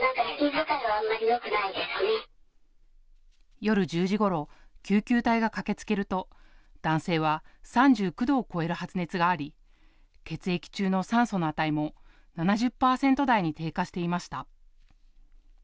夜１０時ごろ救急隊が駆けつけると男性は３９度を超える発熱があり血液中の酸素の値も７０％台に低下していました。